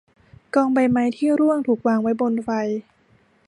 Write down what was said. กองใบไม้ที่ร่วงถูกวางไว้บนไฟ